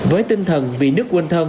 với tinh thần vì nước quân thân